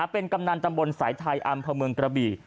เป็นกำนันตำบลสายไทยอำเภอเมืองกระบี่